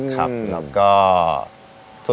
ครับแล้วก็